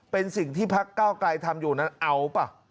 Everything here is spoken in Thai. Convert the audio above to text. เป็นสิ่งที่พักเก้าไกลทำอยู่นั้นเอาป่ะ